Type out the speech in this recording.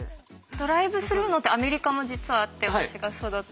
ドライブスルーのってアメリカも実はあって私が育った。